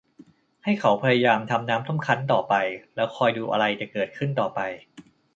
ให้เขาพยายามทำน้ำส้มคั้นต่อไปแล้วคอยดูอะไรจะเกิดขึ้นต่อไป